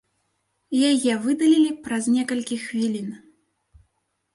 Яе выдалілі праз некалькі хвілін.